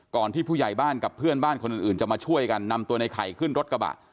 ที่ผู้ใหญ่บ้านกับเพื่อนบ้านคนอื่นจะมาช่วยกันนำตัวในไข่ขึ้นรถกระบะ